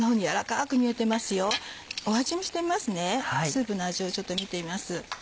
スープの味をちょっと見てみます。